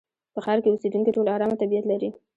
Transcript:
په ښار کې اوسېدونکي ټول ارامه طبيعت لري.